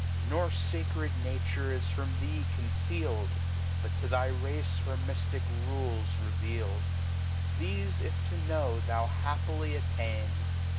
Nor facred Nature is from thee conceal'd, . But xo xhy Race her myftic Rules reveal'd. Thefe if to know thou happily attain.